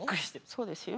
そうですよ。